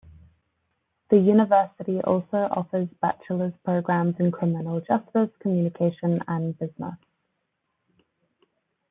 The University also offers Bachelor's programs in Criminal Justice, Communication, and Business.